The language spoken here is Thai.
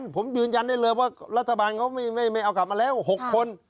ผมยืนยันได้เลยว่ารัฐบาลเขาไม่เอากลับมาแล้ว๖คน